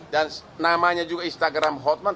dan namanya juga instagram hotman